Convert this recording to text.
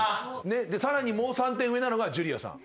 さらにもう３点上なのがじゅりあさん。